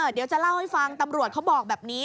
เดี๋ยวจะเล่าให้ฟังตำรวจเขาบอกแบบนี้